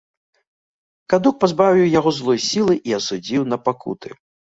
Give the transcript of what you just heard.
Кадук пазбавіў яго злой сілы і асудзіў на пакуты.